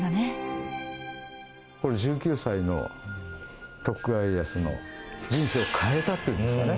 これ１９歳の徳川家康の人生を変えたっていうんですかね。